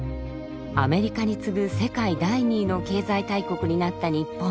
アメリカに次ぐ世界第２位の経済大国になった日本。